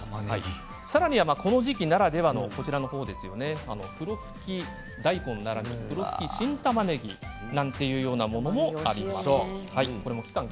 さらにはこの時期ならではふろふき大根ならぬふろふき新たまねぎなんていうものもあります。